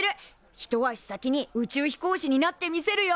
一足先に宇宙飛行士になってみせるよ。